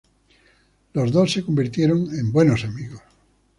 Los dos se convirtieron en buenos amigos.